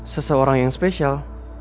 seseorang yang spesial